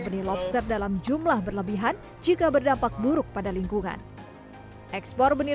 benih lobster dalam jumlah berlebihan jika berdampak buruk pada lingkungan ekspor benih